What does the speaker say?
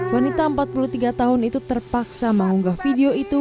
wanita empat puluh tiga tahun itu terpaksa mengunggah video itu